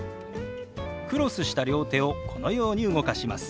クロスした両手をこのように動かします。